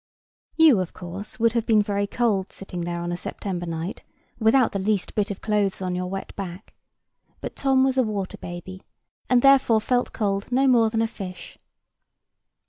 You, of course, would have been very cold sitting there on a September night, without the least bit of clothes on your wet back; but Tom was a water baby, and therefore felt cold no more than a fish.